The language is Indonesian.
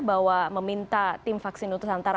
bahwa meminta tim vaksin nusantara